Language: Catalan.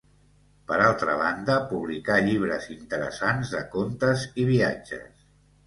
Per altra banda, publicà llibres interessants de contes i viatges.